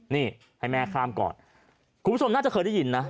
นี่ให้แม่ข้ามก่อนคุณผู้ชมน่าจะเคยได้ยินนะ